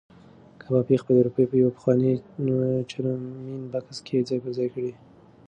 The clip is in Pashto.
کبابي خپلې روپۍ په یو پخواني څرمنین بکس کې ځای پر ځای کړې.